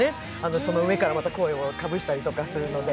その上からまた声をかぶしたりとかするので。